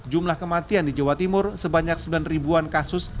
jumlah kematian di jawa timur sebanyak sembilan ribuan kasus